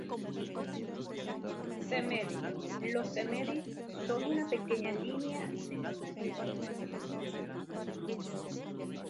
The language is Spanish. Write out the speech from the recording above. Samedi: Los Samedi son una pequeña línea de sangre del Caribe.